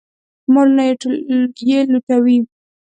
مالونه یې لوټوي.